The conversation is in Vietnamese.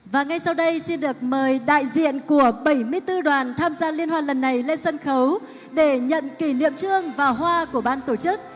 và ngay sau đây xin được mời đại diện của bảy mươi bốn đoàn tham gia liên hoan lần này lên sân khấu để nhận kỷ niệm trương và hoa của ban tổ chức